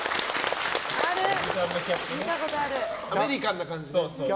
アメリカンな感じね。